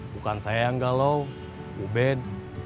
bukan saya yang galau ubed